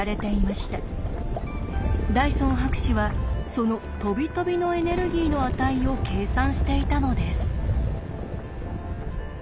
ダイソン博士はそのとびとびのエネルギーの値を計算していたのです。